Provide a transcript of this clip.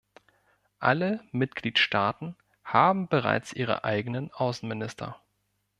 Alle Mitgliedstaaten haben bereits ihre eigenen Außenminister.